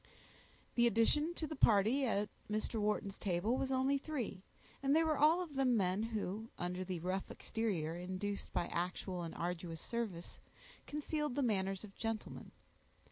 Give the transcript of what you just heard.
The addition to the party at Mr. Wharton's table was only three, and they were all of them men who, under the rough exterior induced by actual and arduous service, concealed the manners of gentlemen.